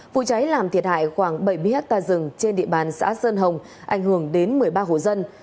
vụ cháy làm thiệt hại khoảng bảy mươi hectare rừng trên địa bàn xã sơn hồng ảnh hưởng đến một mươi ba hộ dân